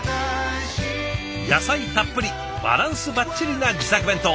野菜たっぷりバランスばっちりな自作弁当。